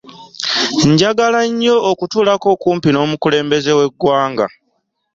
Njagala nnyo okutuulako kumpi n'omukulembeze w'eggwanga.